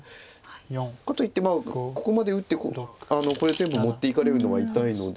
かといってまあここまで打ってこれ全部持っていかれるのは痛いので。